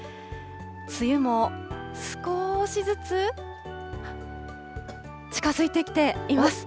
梅雨も少しずつ、近づいてきています。